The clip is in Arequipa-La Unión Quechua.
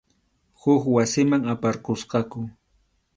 Huk wasiman aparqusqaku.